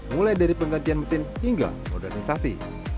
mulai dari penggantian mesin hingga modernisasi